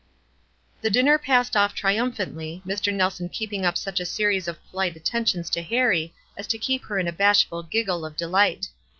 The dinner passed off triumphantly, Mr. Nel son keeping up such a series of polite attentions to Harrie as to keep her in a bashful giggle of delight.